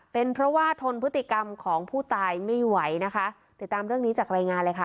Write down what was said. เป็นเพราะว่าทนพฤติกรรมของผู้ตายไม่ไหวนะคะติดตามเรื่องนี้จากรายงานเลยค่ะ